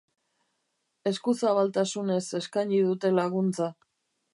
Eskuzabaltasunez eskaini dute laguntza.